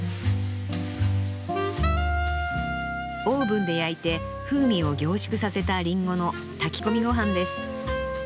オーブンで焼いて風味を凝縮させた林檎の炊き込みごはんです。